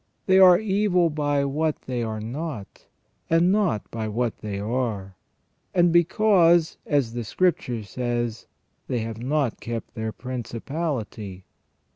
They are evil by what they are not, and not by what they are j and because, as the Scripture says, " they have not kept their principality